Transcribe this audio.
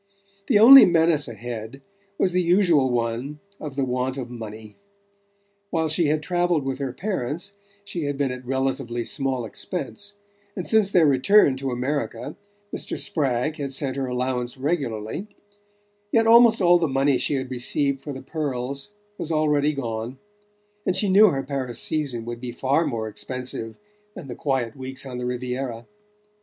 The only menace ahead was the usual one of the want of money. While she had travelled with her parents she had been at relatively small expense, and since their return to America Mr. Spragg had sent her allowance regularly; yet almost all the money she had received for the pearls was already gone, and she knew her Paris season would be far more expensive than the quiet weeks on the Riviera.